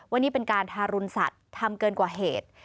ว่านี่เป็นการทารุณสัตว์ทำเกินกว่าเหตุ